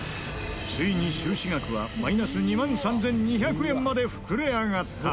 ついに収支額はマイナス２万３２００円まで膨れ上がった。